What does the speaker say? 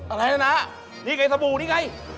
อะไรนะนี่ไงสบู่นี่ไง